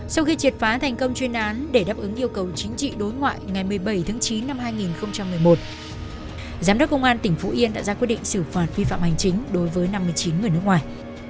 sau khi triệt phá thành công chuyên án để đáp ứng yêu cầu chính trị đối ngoại ngày một mươi bảy tháng chín năm hai nghìn một mươi một giám đốc công an tỉnh phú yên đã ra quyết định xử phạt vi phạm hành chính đối với năm mươi chín người nước ngoài